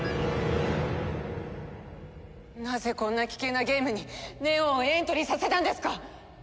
なぜこんな危険なゲームに祢音をエントリーさせたんですか！？